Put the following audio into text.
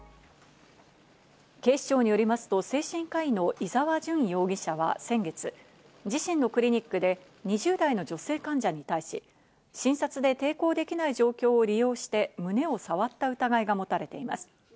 警視庁によりますと精神科医の伊沢純容疑者は先月、自身のクリニックで２０代の女性患者に対し、診察で抵抗できない状況を利用して胸を触った疑いが持たれています。